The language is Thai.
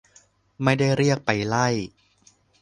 ไม่ได้เรียกไปไล่